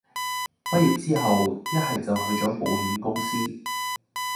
畢業之後一係去左做保險公司